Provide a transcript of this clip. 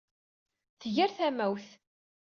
Tger tamawt.